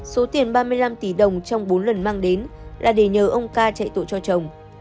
số tiền ba mươi năm tỷ đồng trong bốn lần mang đến là để nhờ ông ca chạy tội cho chồng